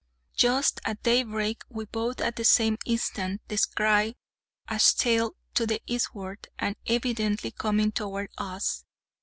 Just at daybreak we both at the same instant descried a sail to the eastward, and _evidently coming towards us!